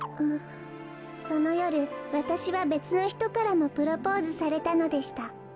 そのよるわたしはべつのひとからもプロポーズされたのでした